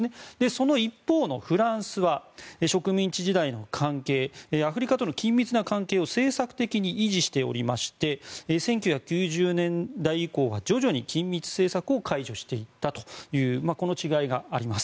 その一方のフランスは植民地時代の関係アフリカとの緊密な関係を政策的に維持しておりまして１９９０年代以降は徐々に緊密政策を解除していったというこの違いがあります。